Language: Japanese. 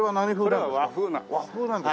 これは和風なんです。